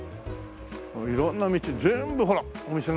色んな道全部ほらお店が。